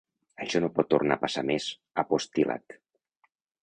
Això no pot tornar a passar més, ha postil·lat.